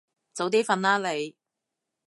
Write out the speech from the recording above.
早啲瞓啦你